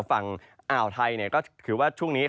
ฝั่งอ่าวไทยก็ถือว่าช่วงนี้